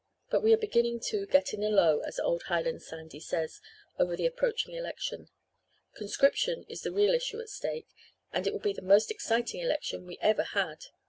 But we are beginning to 'get in a low,' as old Highland Sandy says, over the approaching election. Conscription is the real issue at stake and it will be the most exciting election we ever had.